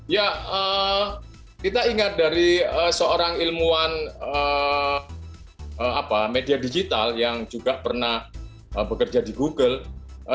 ya kita ingat dari seorang ilmuwan media digital yang juga pernah bekerja di google